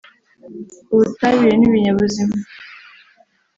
Ubutabire n’Ibinyabuzima